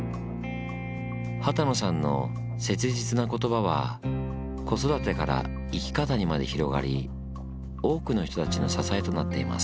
幡野さんの切実な言葉は子育てから生き方にまで広がり多くの人たちの支えとなっています。